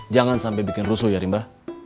jangan sampai bikin rusuh ya rimba